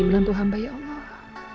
menantu hamba ya allah